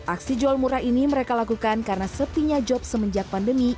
aksi jual murah ini mereka lakukan karena setinya job semenjak pandemi